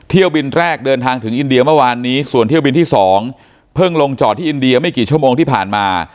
เที่ยวบินแรกเดินทางถึงอินเดียเมื่อวานนี้ส่วนเที่ยวบินที่๒เพิ่งลงจอดที่อินเดียไม่กี่ชั่วโมงที่ผ่านมา